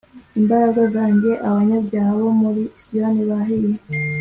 imbaraga zanjye Abanyabyaha bo muri Siyoni bahiye